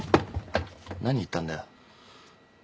何言ったんだよ。